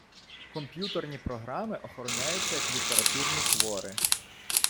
Комп'ютерні програми охороняються як літературні твори.